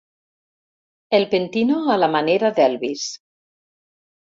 El pentino a la manera d'Elvis.